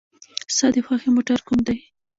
ستا د خوښې موټر کوم دی؟